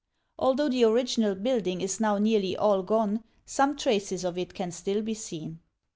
Although the original building is now nearly all gone, some traces of it can still be seen.